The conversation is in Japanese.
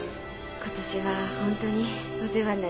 今年はホントにお世話になりました。